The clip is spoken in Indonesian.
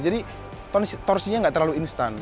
jadi torsinya nggak terlalu instan